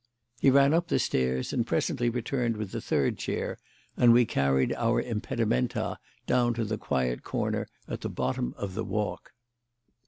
He ran up the stairs, and presently returned with a third chair, and we carried our impedimenta down to the quiet corner at the bottom of the Walk.